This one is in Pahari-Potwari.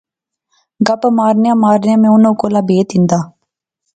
گپ مارنیاں مارنیاں میں انیں کولا پھیت ہندا